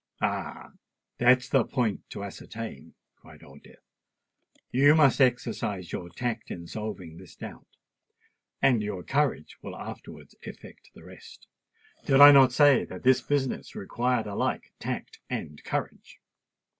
"Ah! that's the point to ascertain," cried Old Death. "You must exercise your tact in solving this doubt; and your courage will afterwards effect the rest. Did I not say that the business required alike tact and courage?"